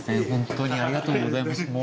ホントにありがとうございます。